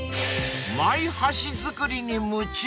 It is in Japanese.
［マイ箸づくりに夢中］